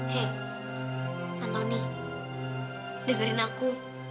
hei antoni dengerin aku